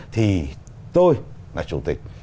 thì tôi là chủ tịch